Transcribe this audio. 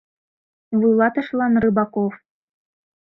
— Вуйлатышылан Рыбаков...